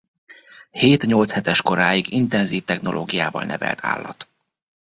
Hét-nyolchetes koráig intenzív technológiával nevelt állat.